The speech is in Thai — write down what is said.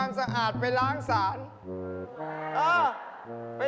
นะฮะดี